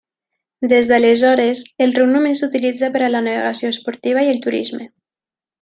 Des d'aleshores, el riu només s'utilitza per a la navegació esportiva i el turisme.